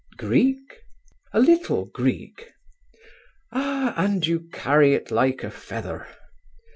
"Greek?" "A little Greek." "Ah! And you carry it like a feather."